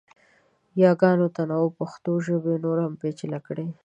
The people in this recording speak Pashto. یاګانو تنوع پښتو ژبه نوره پیچلې کړې.